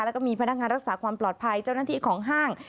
แล้วก็มีพนักงานรักษาความปลอดภัยเจ้าหน้าที่ของห้าง